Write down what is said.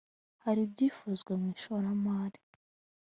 hari ibyifuzwa mu ishoramari